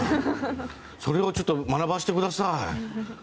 それをちょっと学ばせてください。